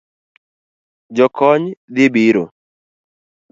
Jokony dhi biro